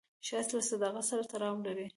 ښایست له صداقت سره تړاو لري